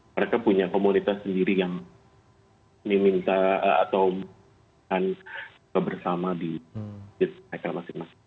mereka punya komunitas sendiri yang diminta atau kebersama di masjid mereka